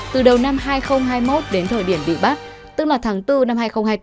từ đầu năm hai nghìn hai mươi một đến thời điểm bị bắt tức là tháng bốn năm hai nghìn hai mươi bốn